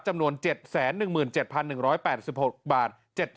จำนวน๗๑๗๑๘๖บาท